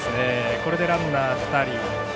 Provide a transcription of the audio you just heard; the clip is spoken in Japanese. これでランナー２人。